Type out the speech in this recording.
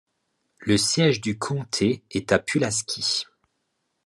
Le siège du comté est à Pulaski.